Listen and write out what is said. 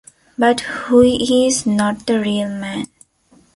But who is not the real man?